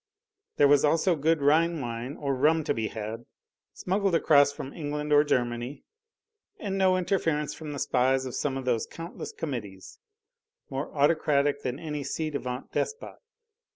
There was also good Rhine wine or rum to be had, smuggled across from England or Germany, and no interference from the spies of some of those countless Committees, more autocratic than any ci devant despot.